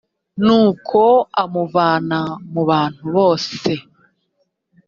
nuko amuvana mu bantu bose